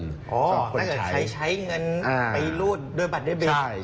อ๋อนักไหรษถ์ใช้เงินไปรวดโดยบัตรเดาิฟ